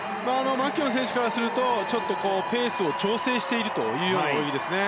マキュオン選手からするとペースを調整しているという泳ぎです。